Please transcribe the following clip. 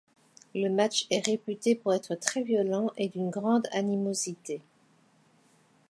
Le match est réputé pour être très violent et d'une grande animosité.